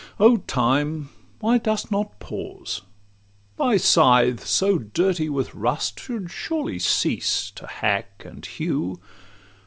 O Time! why dost not pause? Thy scythe, so dirty With rust, should surely cease to hack and hew.